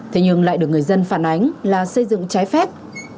thế nhưng lại được người dân phản ánh là xây dựng trái phép